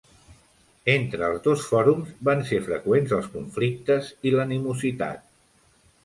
Entre els dos fòrums, van ser freqüents els conflictes i l'animositat.